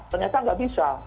ternyata tidak bisa